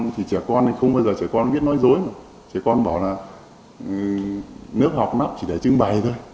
thì trẻ con thì không bao giờ trẻ con biết nói dối mà trẻ con bảo là nước học nó chỉ để trưng bày thôi